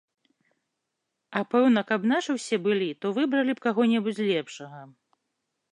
А пэўна, каб нашы ўсе былі, то выбралі б каго-небудзь лепшага.